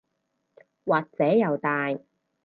或者又大